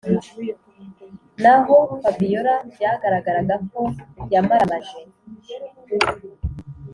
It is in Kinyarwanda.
naho fabiora byagaragaraga ko yamaramaje